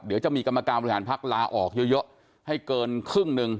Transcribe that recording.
เดี๋ยวจะมีกรรมการบริหารพักลาออกเยอะให้เกินครึ่งหนึ่ง